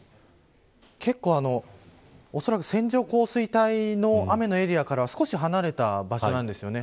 おそらく線状降水帯の雨のエリアからは少し離れた場所なんですよね。